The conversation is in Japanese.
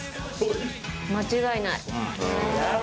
間違いない。